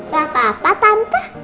gak apa apa tante